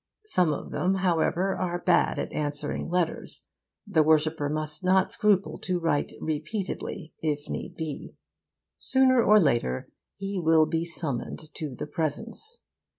Some of them, however, are bad at answering letters. The worshipper must not scruple to write repeatedly, if need be. Sooner or later he will be summoned to the presence.